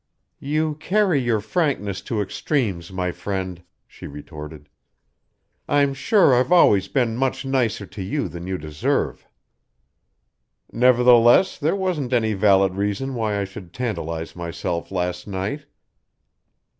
"You carry your frankness to extremes, my friend," she retorted. "I'm sure I've always been much nicer to you than you deserve." "Nevertheless there wasn't any valid reason why I should tantalize myself last night."